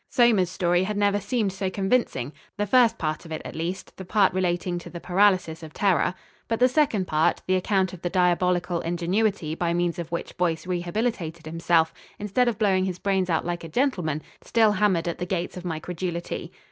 Somers's story had never seemed so convincing the first part of it, at least the part relating to the paralysis of terror. But the second part the account of the diabolical ingenuity by means of which Boyce rehabilitated himself instead of blowing his brains out like a gentleman still hammered at the gates of my credulity.